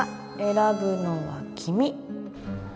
選ぶのは君